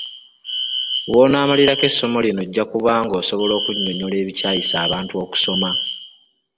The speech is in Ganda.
W'onaamalirako essomo lino ojja kuba ng'osobola okunnyonnyola ebikyayisa abantu okusoma.